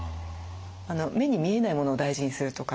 目に見えないモノを大事にするとか。